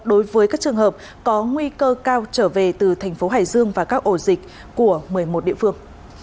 đối với các trường hợp có nguy cơ cao trở về từ thành phố hải dương và các ổ dịch của một mươi một địa phương